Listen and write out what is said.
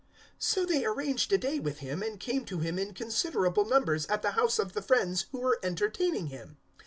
028:023 So they arranged a day with him and came to him in considerable numbers at the house of the friends who were entertaining him.